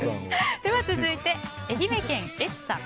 続いて、愛媛県の方。